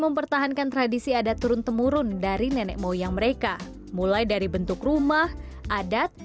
mempertahankan tradisi ada turun temurun dari nenek moyang mereka mulai dari bentuk rumah adat